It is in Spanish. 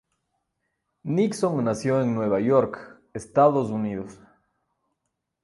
Nixon nació en Nueva York, Estados Unidos.